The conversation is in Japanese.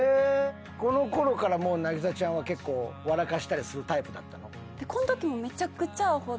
このころから凪咲ちゃんは結構笑かしたりするタイプだったの？